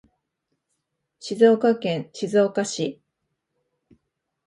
静岡県静岡市